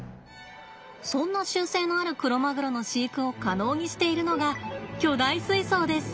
そんな習性のあるクロマグロの飼育を可能にしているのが巨大水槽です。